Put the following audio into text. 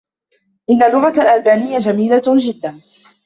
إنّ اللّغة الألبانيّة جميلة جدّا.